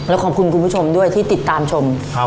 แล้วขอบคุณคุณผู้ชมด้วยที่ติดตามชม